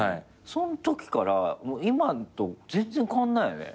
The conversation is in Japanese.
そんときから今と全然変わんないよね？